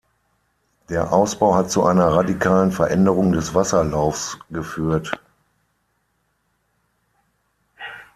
Der Ausbau hat zu einer radikalen Veränderung des Wasserlaufs geführt.